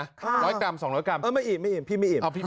ร้อยกรัมสองร้อยกรัมเออไม่อิ่มไม่อิ่มพี่ไม่อิ่ม